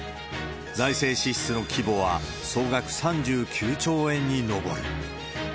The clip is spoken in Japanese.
財政支出の規模は総額３９兆円に上る。